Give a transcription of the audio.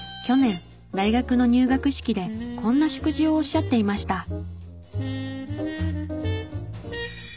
去年大学の入学式でこんな祝辞をおっしゃっていました。